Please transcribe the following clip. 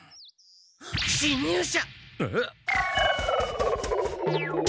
侵入者！え！？